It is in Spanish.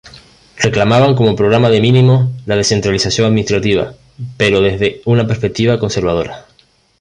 Reclamaban, como programa de mínimos, la descentralización administrativa, pero desde una perspectiva conservadora.